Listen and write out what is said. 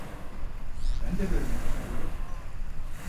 Ben de görmek istiyorum.